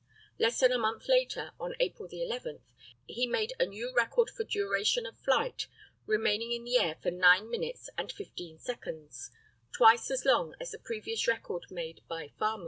Less than a month later on April 11 he made a new record for duration of flight, remaining in the air for 9 minutes and 15 seconds twice as long as the previous record made by Farman.